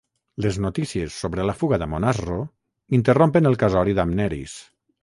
Les notícies sobre la fuga d'Amonasro interrompen el casori d'Amneris.